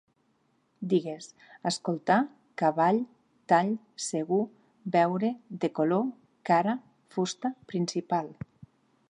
Digues: escoltar, cavall, tall, segur, veure, de color, cara, fusta, principal